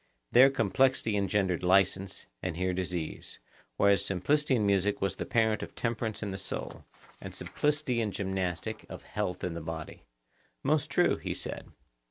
There complexity engendered licence, and here disease; whereas simplicity in music was the parent of temperance in the soul; and simplicity in gymnastic of health in the body. Most true, he said.